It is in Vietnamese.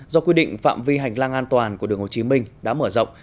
do quy định phạm vi hành lang an toàn của đường hồ chí minh đã mở rộng